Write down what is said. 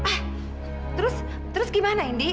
ah terus terus gimana indi